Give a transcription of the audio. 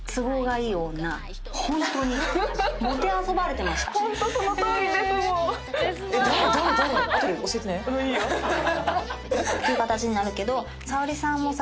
ていう形になるけど。